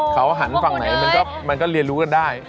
เขาหันฝั่งไหนมันก็เรียนรู้กันได้